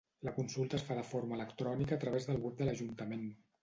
La consulta es fa de forma electrònica a través del web de l’ajuntament.